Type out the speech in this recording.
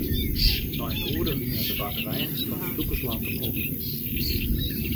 Nei in oere wiene de batterijen fan ús dûkerslampen op.